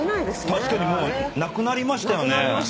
確かにもうなくなりましたよね。